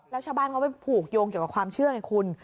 แล้วชาวบ้านเขาไปผูกโยงเกี่ยวกับความเชื่อไงคุณ